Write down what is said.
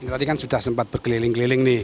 tadi kan sudah sempat bergeliling geliling nih